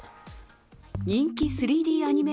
人気３Ｄアニメ